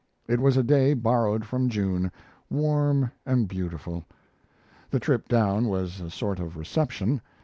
It was a day borrowed from June, warm and beautiful. The trip down was a sort of reception.